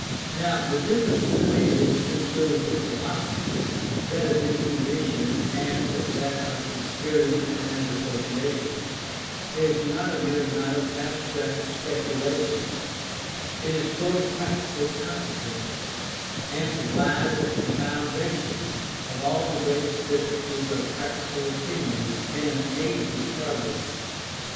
Now, the difference between these two schools of philosophy, that of Intuition, and that of Experience and Association, is not a mere matter of abstract speculation; it is full of practical consequences, and lies at the foundation of all the greatest differences of practical opinion in an age of progress.